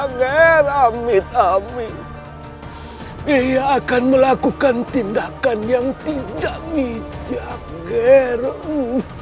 ngeremit amin dia akan melakukan tindakan yang tidak bijak ngerem